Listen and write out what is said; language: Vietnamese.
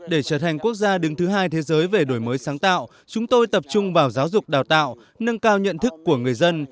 để trở thành quốc gia đứng thứ hai thế giới về đổi mới sáng tạo chúng tôi tập trung vào giáo dục đào tạo nâng cao nhận thức của người dân